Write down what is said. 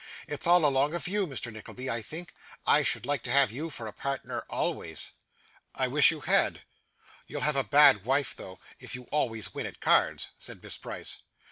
'It's all along of you, Mr. Nickleby, I think. I should like to have you for a partner always.' 'I wish you had.' 'You'll have a bad wife, though, if you always win at cards,' said Miss Price.